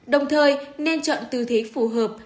đồng thời nên chọn tư thế phù hợp